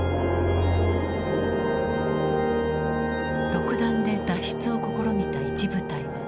独断で脱出を試みた一部隊。